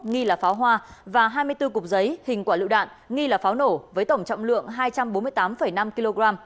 nghi là pháo hoa và hai mươi bốn cục giấy hình quả lựu đạn nghi là pháo nổ với tổng trọng lượng hai trăm bốn mươi tám năm kg